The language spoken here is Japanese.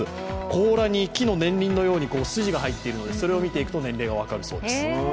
甲羅に木の年輪のように筋が入っていてそれを見ていくと、年齢が分かるそうです。